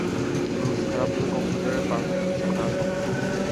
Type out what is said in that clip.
Rules খারাপ হলে কম্পিউটারের পারফম্যান্সও খারাপ হবে।